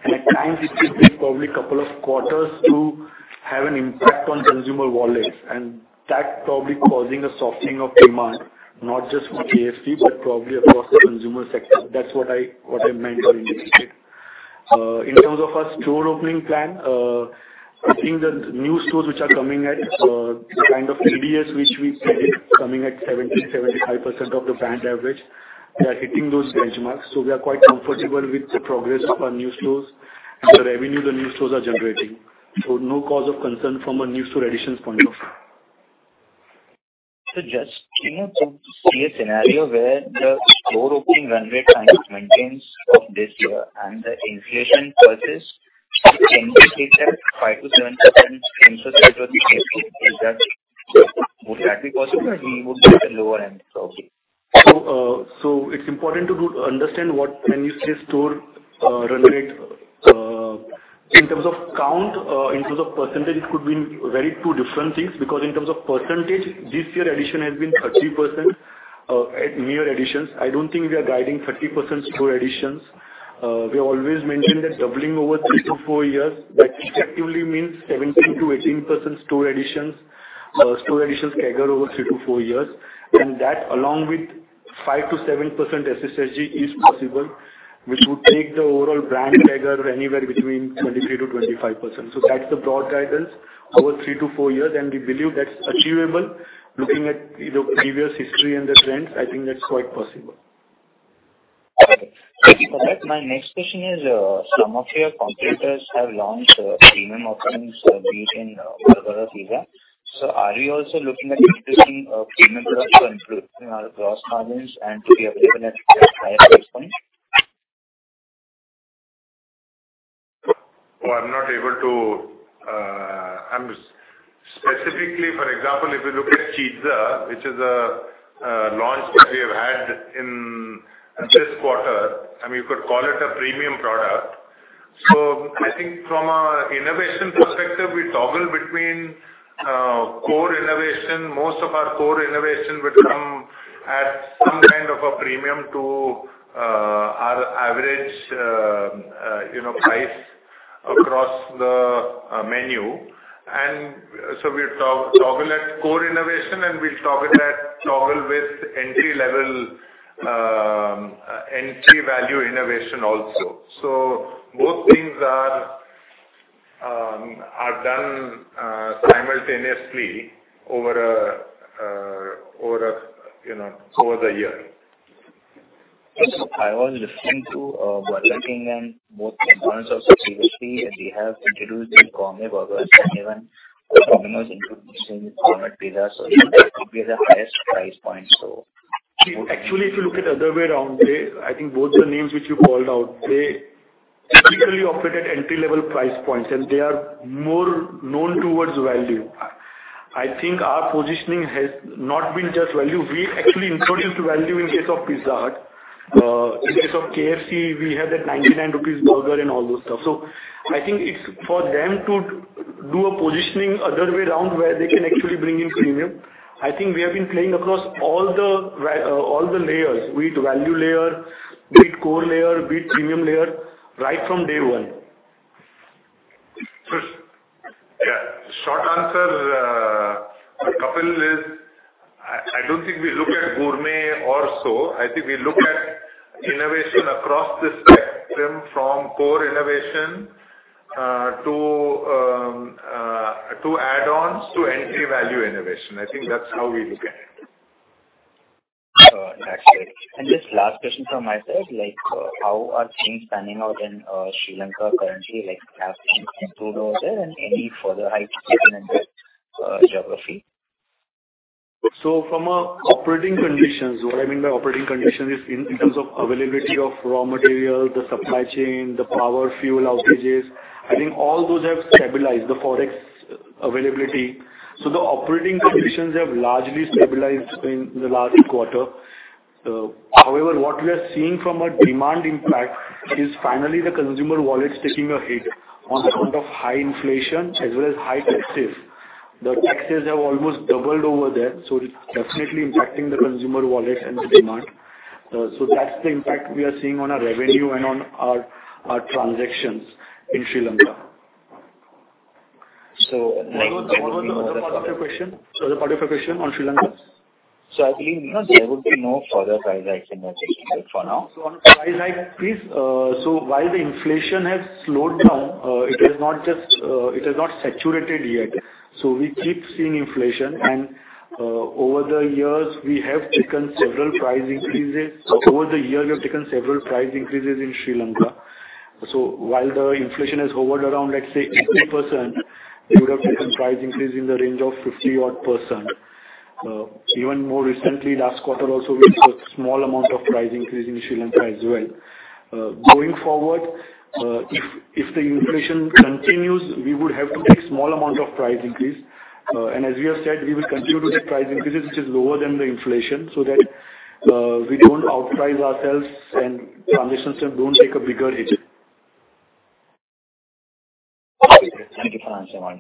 At times it could take probably a couple of quarters to have an impact on consumer wallets, and that's probably causing a softening of demand, not just for KFC, but probably across the consumer sector. That's what I, what I meant or indicated. In terms of our store opening plan, I think the new stores which are coming at, the kind of TBS which we said is coming at 70%-75% of the brand average, they are hitting those benchmarks. We are quite comfortable with the progress of our new stores and the revenue the new stores are generating. No cause of concern from a new store additions point of view. Just, you know, to see a scenario where the store opening run rate kind of maintains of this year and the inflation purchase indicates that 5%-7% same-store sales growth is KFC. Would that be possible or we would be at the lower end probably? It's important to understand what when you say store run rate in terms of count, in terms of percentage, it could mean very two different things, because in terms of percentage, this year addition has been 30% at new year additions. I don't think we are guiding 30% store additions. We always mention that doubling over three to five years, that effectively means 17%-18% store additions, store additions CAGR over three to four years. That along with 5%-7% SSSG is possible, which would take the overall brand CAGR anywhere between 23%-25%. That's the broad guidance over three to four years, and we believe that's achievable. Looking at, you know, previous history and the trends, I think that's quite possible. Okay. Thank you for that. My next question is, some of your competitors have launched premium offerings, be it in Burger or Pizza. Are you also looking at introducing a premium product to improve our gross margins and to be available at higher price points? Well, I'm not able to specifically, for example, if you look at Chizza, which is a launch which we have had in this quarter, I mean, you could call it a premium product. I think from a innovation perspective, we toggle between core innovation. Most of our core innovation would come at some kind of a premium to our average, you know, price across the menu. We toggle at core innovation and we toggle with entry-level entry value innovation also. Both things are done simultaneously over a, you know, over the year. Yes. I was listening to Burger King and both brands also previously, and they have introduced their gourmet burgers. Even Domino's introducing gourmet pizza. Even they could be at the highest price point, so. Actually, if you look at other way around, I think both the names which you called out, they typically operate at entry-level price points, and they are more known towards value. I think our positioning has not been just value. We actually introduced value in case of Pizza Hut. In case of KFC, we have that 99 rupees burger and all those stuff. I think it's for them to do a positioning other way around where they can actually bring in premium. I think we have been playing across all the layers, be it value layer, be it core layer, be it premium layer, right from day one. Yeah. Short answer, Kapil, is I don't think we look at gourmet or so. I think we look at innovation across the spectrum from core innovation, to add-ons to entry value innovation. I think that's how we look at it. Got it. Just last question from myself, like, how are things panning out in Sri Lanka currently? Like, have things improved over there and any further hikes planned in that geography? From a operating conditions, what I mean by operating conditions is in terms of availability of raw materials, the supply chain, the power, fuel outages, I think all those have stabilized, the Forex availability. The operating conditions have largely stabilized in the last quarter. However, what we are seeing from a demand impact is finally the consumer wallet's taking a hit on account of high inflation as well as high taxes. The taxes have almost doubled over there, so it's definitely impacting the consumer wallet and the demand. That's the impact we are seeing on our revenue and on our transactions in Sri Lanka. So like- What was the other part of your question? The part of your question on Sri Lanka. I believe there would be no further price hikes in that region for now. On price hike, please. While the inflation has slowed down, it has not saturated yet. We keep seeing inflation. Over the years, we have taken several price increases. Over the years, we have taken several price increases in Sri Lanka. While the inflation has hovered around, let's say, 80%, we would have taken price increase in the range of 50-odd%. Even more recently, last quarter also, we took small amount of price increase in Sri Lanka as well. Going forward, if the inflation continues, we would have to take small amount of price increase. As we have said, we will continue to take price increases which is lower than the inflation, so that we don't outprice ourselves and transactions don't take a bigger hit. Thank you for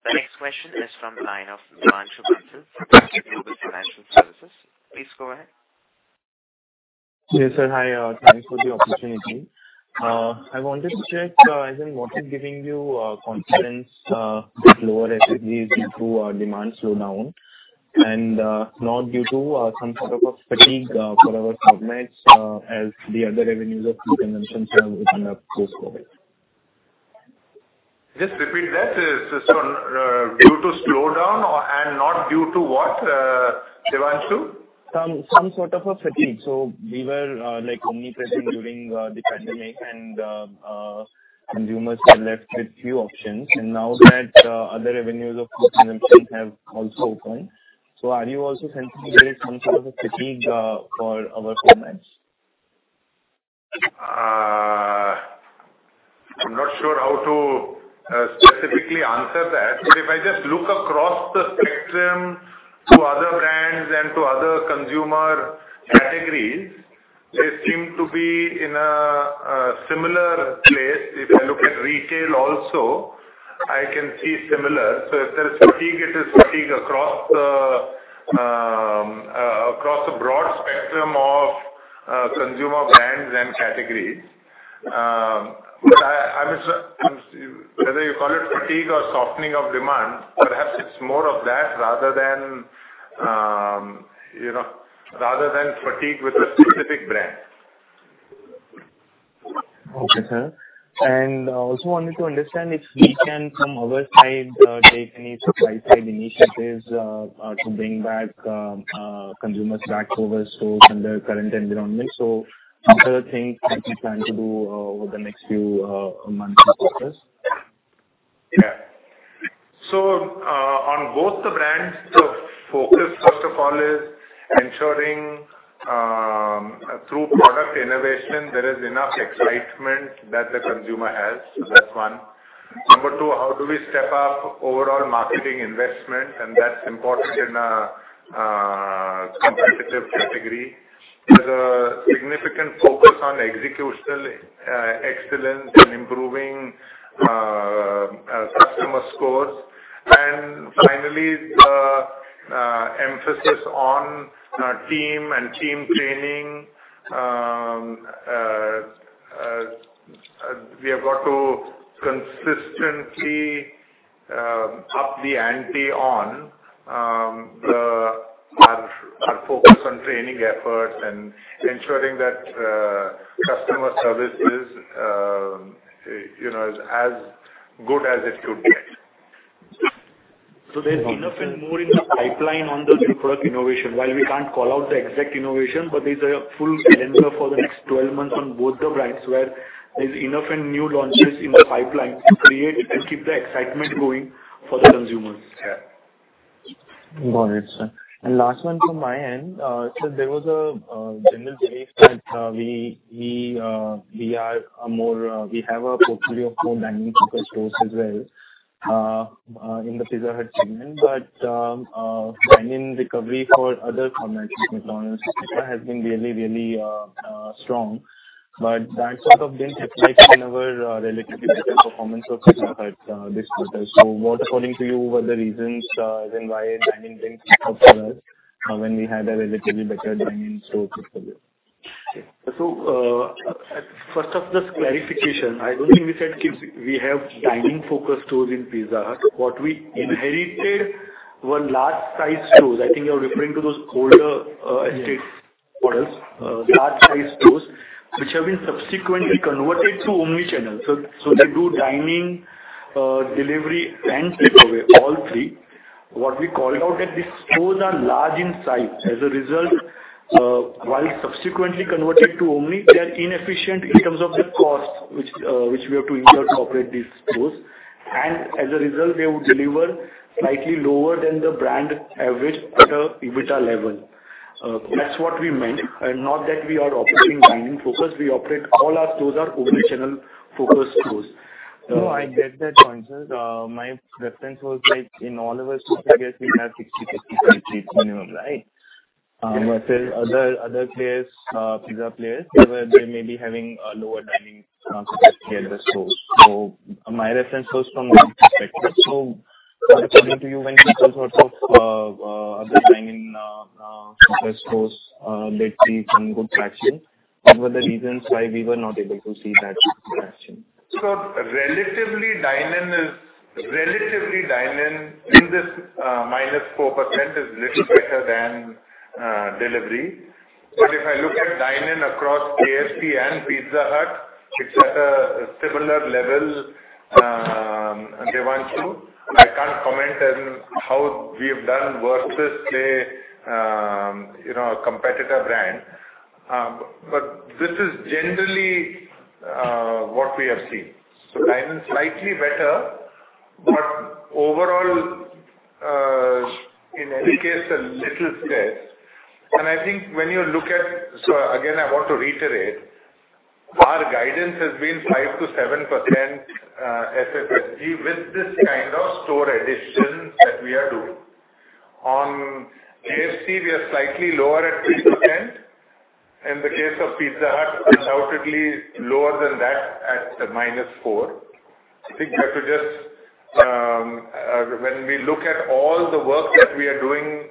answering my questions. The next question is from the line of Devanshu Bansal from Emkay Global Financial Services. Please go ahead. Yes, sir. Hi. Thanks for the opportunity. I wanted to check, as in what is giving you confidence, with lower SG&A due to a demand slowdown and not due to some sort of a fatigue for our formats, as the other revenues of food consumption have opened up post-COVID. Just repeat that. Is on due to slowdown or and not due to what, Devanshu? Some sort of a fatigue. We were, like, omnipresent during the pandemic and consumers were left with few options. Now that other revenues of food consumption have also opened, are you also sensing there is some sort of a fatigue for our formats? I'm not sure how to specifically answer that. If I just look across the spectrum to other brands and to other consumer categories, they seem to be in a similar place. If I look at retail also, I can see similar. If there's fatigue, it is fatigue across a broad spectrum of consumer brands and categories. Whether you call it fatigue or softening of demand, perhaps it's more of that rather than, you know, rather than fatigue with a specific brand. Okay, sir. I also wanted to understand if we can, from our side, take any supply side initiatives to bring back consumers back over stores under current environment. Are there things that you plan to do over the next few months and quarters? On both the brands, the focus first of all is ensuring through product innovation, there is enough excitement that the consumer has. That's one. Number two, how do we step up overall marketing investment? That's important in a competitive category. There's a significant focus on executional excellence and improving customer scores. Finally, the emphasis on team and team training. We have got to consistently up the ante on the focus on training efforts and ensuring that customer service is, you know, as good as it could get. There's enough and more in the pipeline on the new product innovation. While we can't call out the exact innovation, but there's a full calendar for the next 12 months on both the brands where there's enough and new launches in the pipeline to create and keep the excitement going for the consumers. Yeah. Got it, sir. Last one from my end. There was a general belief that we have a portfolio of more dining-focused stores as well in the Pizza Hut segment. Dine-in recovery for other formats with McDonald's has been really strong. That sort of didn't reflect in our relatively better performance of Pizza Hut this quarter. What, according to you, were the reasons then why dine-in didn't help for us when we had a relatively better dine-in focus earlier? First off, just clarification. I don't think we said we have dining-focused stores in Pizza Hut. What we inherited were large-sized stores. I think you're referring to those older estate models, large-sized stores which have been subsequently converted to omni-channel. They do dining, delivery and takeaway, all three. What we called out that these stores are large in size. As a result, while subsequently converted to omni, they are inefficient in terms of the cost which we have to incur to operate these stores. As a result, they would deliver slightly lower than the brand average at a EBITDA level. That's what we meant, and not that we are operating dining-focused. We operate all our stores are omni-channel focused stores. No, I get that point, sir. My reference was like in all of our stores, we have 60, 50 minimum, right? Versus other players, pizza players, they may be having a lower dining, compared to stores. My reference was from that perspective. According to you, when people sort of, other dine-in focused stores, they see some good traction, what were the reasons why we were not able to see that traction? Relatively, dine-in in this, -4% is little better than delivery. If I look at dine-in across KFC and Pizza Hut, it's at a similar level, Devanshu. I can't comment on how we have done versus, say, you know, a competitor brand. This is generally what we have seen. Dine-in slightly better, overall, in any case, a little stressed. I think again, I want to reiterate, our guidance has been 5%-7% SSSG with this kind of store additions that we are doing. On KFC, we are slightly lower at 3%. In the case of Pizza Hut, undoubtedly lower than that at -4%. I think you have to just when we look at all the work that we are doing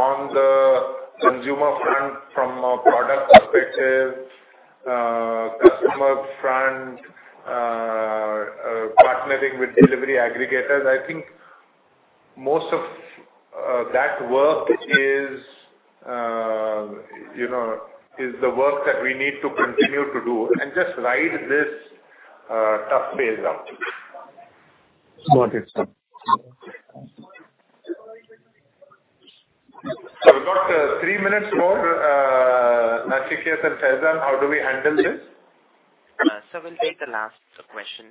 on the consumer front from a product perspective, customer front, partnering with delivery aggregators, I think most of that work is, you know, is the work that we need to continue to do and just ride this tough phase out. Got it, sir. We've got three minutes more. Nachiket and Faizal, how do we handle this? We'll take the last question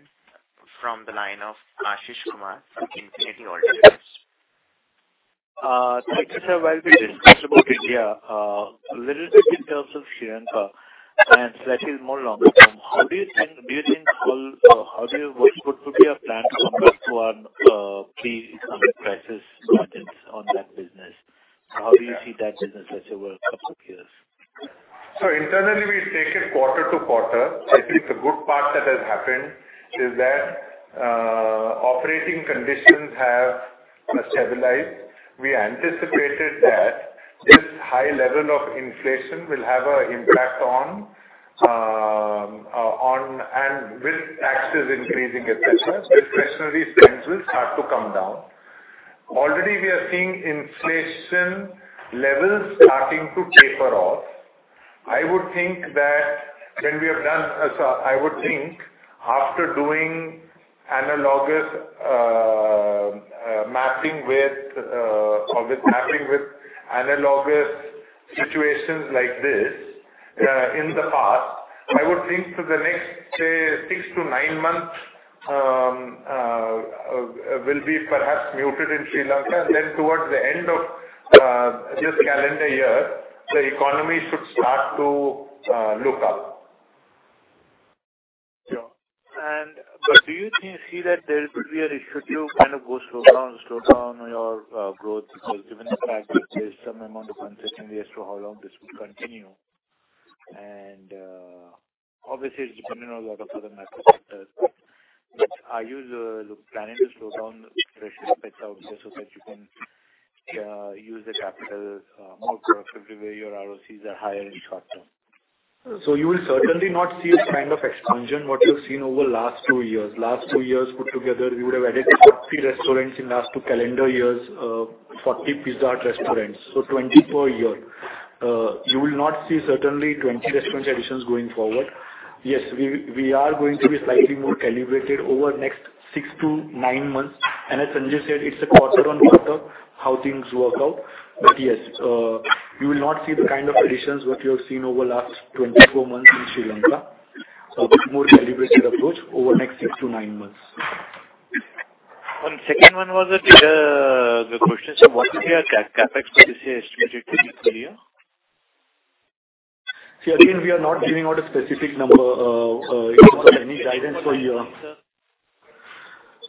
from the line of Ashish Kumar from Infinity Alternatives. Thank you, sir. While we discuss about India, a little bit in terms of Sri Lanka and slightly more longer term, how do you think building what could be a plan to come back to our pre-economic crisis margins on that business? How do you see that business as it were two years? Internally, we take it quarter to quarter. I think the good part that has happened is that operating conditions have stabilized. We anticipated that this high level of inflation will have a impact on and with taxes increasing et cetera, discretionary spends will start to come down. Already we are seeing inflation levels starting to taper off. I would think after doing analogous mapping with or with mapping with analogous situations like this in the past, I would think for the next, say, six to nine months, will be perhaps muted in Sri Lanka. Towards the end of this calendar year, the economy should start to look up. Sure. Do you see that there could be an issue to kind of go slow down your growth because given the fact that there's some amount of uncertainty as to how long this would continue, and obviously it's dependent on a lot of other macro factors? Are you planning to slow down fresh CapEx out there so that you can use the capital more profitably where your RoCs are higher in short term? You will certainly not see this kind of expansion what you've seen over last two years. Last two years put together, we would have added 30 restaurants in last two calendar years, 40 Pizza Hut restaurants. 20 per year. You will not see certainly 20 restaurant additions going forward. Yes, we are going to be slightly more calibrated over next six to nine months. As Sanjay said, it's a quarter on quarter how things work out. Yes, you will not see the kind of additions what you have seen over last 24 months in Sri Lanka. A bit more calibrated approach over next six to nine months. Second one was, the question from what we hear CapEx for this year is estimated to be three year. See, again, we are not giving out a specific number in terms of any guidance for you.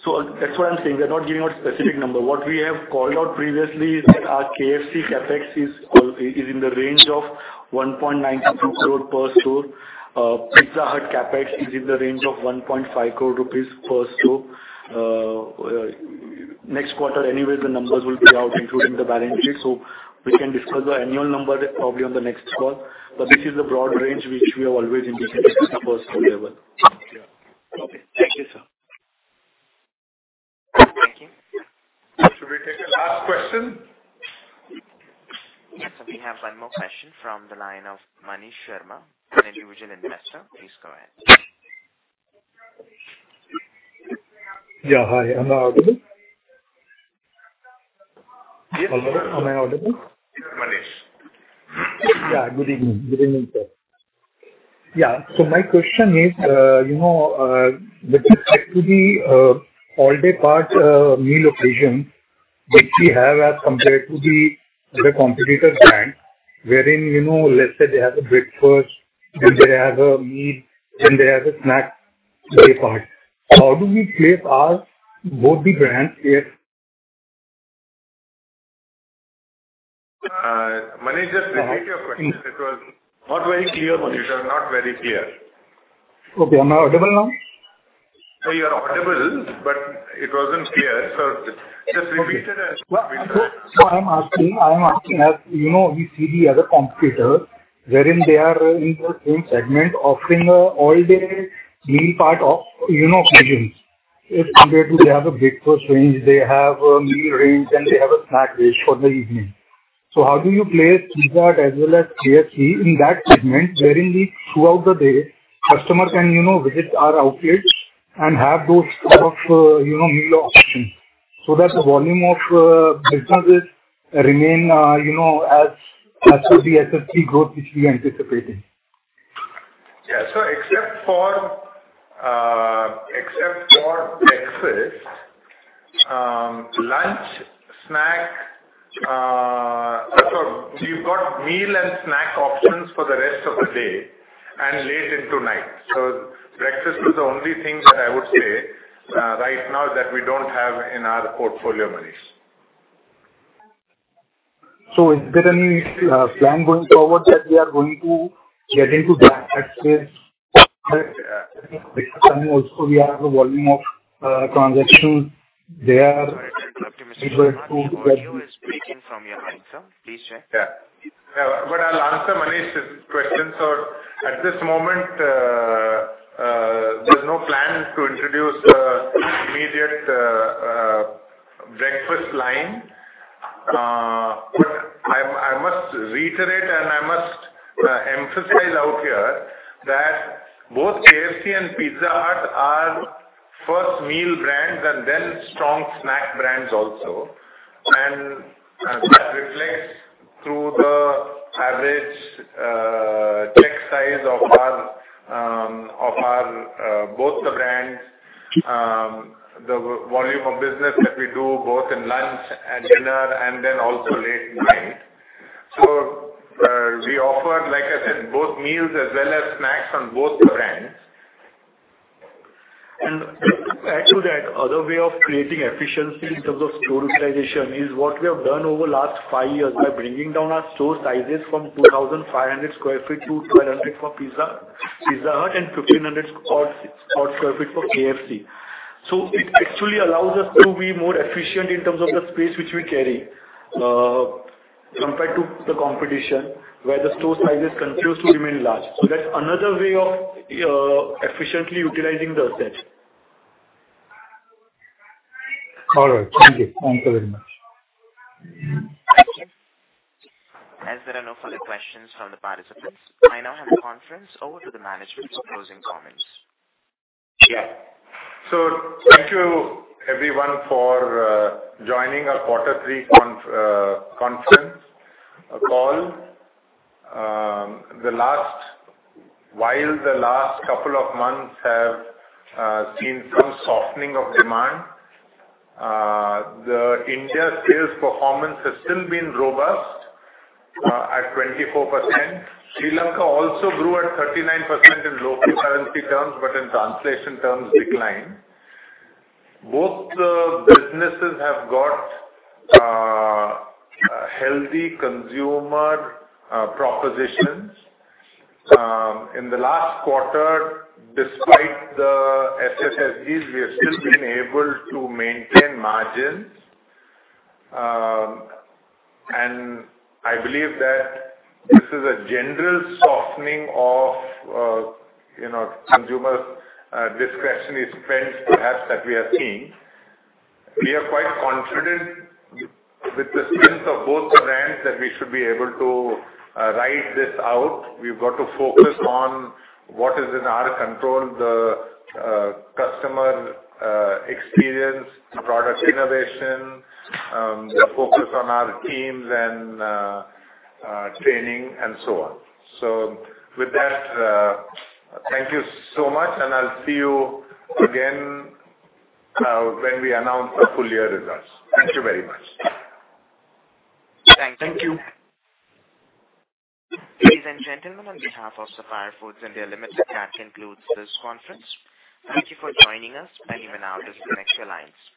That's why I'm saying we're not giving out specific number. What we have called out previously is that our KFC CapEx is in the range of 1.92 crore per store. Pizza Hut CapEx is in the range of 1.5 crore rupees per store. Next quarter anyway, the numbers will be out including the balance sheet, so we can discuss the annual number probably on the next call. This is a broad range which we have always indicated these numbers to be with. Yeah. Okay. Thank you, sir. Thank you. Should we take the last question? Yes, we have one more question from the line of Manish Sharma, an Individual Investor. Please go ahead. Yeah. Hi. Am I audible? Yes. Am I audible? Yes, Manish. Good evening. Good evening, sir. My question is, you know, with respect to the all-day part meal occasion which we have as compared to the other competitor brand wherein, you know, let's say they have a breakfast, then they have a meal, then they have a snack day part. How do we place our both the brands here? Manish, just repeat your question. It was not very clear, Manish. You are not very clear. Okay. Am I audible now? You are audible, but it wasn't clear, so just repeat it. I'm asking as you know, we see the other competitor wherein they are in the same segment offering all day meal part of, you know, occasions. Compared to they have a breakfast range, they have a meal range, and they have a snack range for the evening. How do you place Pizza Hut as well as KFC in that segment wherein we throughout the day customers can, you know, visit our outlets and have those type of, you know, meal options so that the volume of businesses remain, you know, as per the SSSG which we anticipated. Yeah. Except for breakfast, lunch, snack... You've got meal and snack options for the rest of the day and late into night. Breakfast is the only thing that I would say, right now that we don't have in our portfolio, Manish. Is there any plan going forward that we are going to get into breakfast with? Also we have a volume of transactions there. Sorry to interrupt Manish, your audio is breaking from your end, sir. Please check. Yeah. Yeah. I'll answer Manish's question. At this moment, there's no plans to introduce immediate breakfast line. I must reiterate, and I must emphasize out here that both KFC and Pizza Hut are first meal brands and then strong snack brands also. That reflects through the average check size of our of our both the brands, the volume of business that we do both in lunch and dinner and then also late night. We offer, like I said, both meals as well as snacks on both the brands. To add to that, other way of creating efficiency in terms of store utilization is what we have done over last five years by bringing down our store sizes from 2,500 sq ft to 1,200 for Pizza Hut and 1,500-odd sq ft for KFC. It actually allows us to be more efficient in terms of the space which we carry, compared to the competition where the store sizes continues to remain large. That's another way of efficiently utilizing the assets. All right. Thank you. Thanks so very much. Thank you. As there are no further questions from the participants, I now hand the conference over to the management for closing comments. Thank you everyone for joining our quarter three conference call. While the last couple of months have seen some softening of demand, the India sales performance has still been robust at 24%. Sri Lanka also grew at 39% in local currency terms, but in translation terms declined. Both the businesses have got healthy consumer propositions. In the last quarter despite the SSSGs, we have still been able to maintain margins. I believe that this is a general softening of, you know, consumer discretionary spends perhaps that we are seeing. We are quite confident with the strength of both the brands that we should be able to ride this out. We've got to focus on what is in our control, the customer experience, product innovation, focus on our teams and training and so on. With that, thank you so much, and I'll see you again when we announce the full year results. Thank you very much. Thank you. Ladies, and gentlemen, on behalf of Sapphire Foods India Limited, that concludes this conference. Thank you for joining us and you may now disconnect your lines.